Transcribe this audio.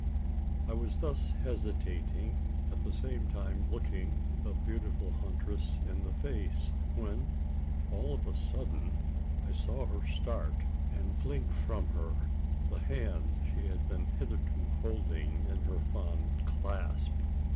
I was thus hesitating at the same time looking the beautiful huntress in the face when, all of a sudden, I saw her start, and fling from her the hand she had been hitherto holding in her fond clasp!